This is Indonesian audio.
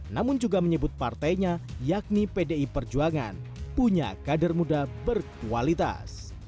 namun juga menyebut partainya yakni pdi perjuangan punya kader muda berkualitas